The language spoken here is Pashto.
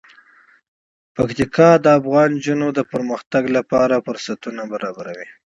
پکتیکا د افغان نجونو د پرمختګ لپاره فرصتونه برابروي.